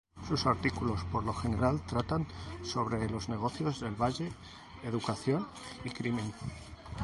Sus artículos por lo general tratan sobre los negocios del valle, educación y crimen.